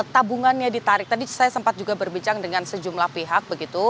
tabungannya ditarik tadi saya sempat juga berbincang dengan sejumlah pihak begitu